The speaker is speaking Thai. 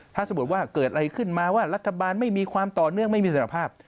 ถ้าสมมติว่าเกิดอะไรขึ้นมาว่ารัฐบาลไม่มีความต่อเนื่องไม่มีสารภาพ